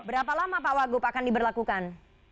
berapa lama pak wagub akan diberlakukan